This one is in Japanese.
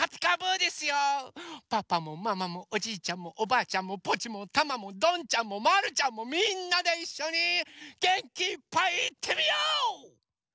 パパもママもおじいちゃんもおばあちゃんもポチもタマもどんちゃんもまるちゃんもみんなでいっしょにげんきいっぱいいってみよう！